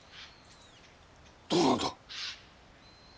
どうなんだ？